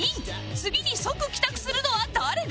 次に即帰宅するのは誰だ？